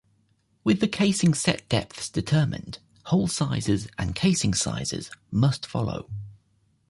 With the casing set depths determined, hole sizes and casing sizes must follow.